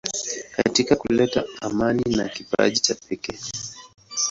Katika kuleta amani ana kipaji cha pekee.